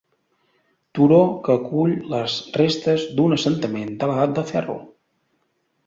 Turó que acull les restes d'un assentament de l'edat de Ferro.